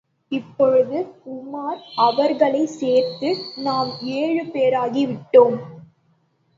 இப்பொழுது, உமார் அவர்களைச் சேர்த்து நாம் ஏழு பேராகி விட்டோம்.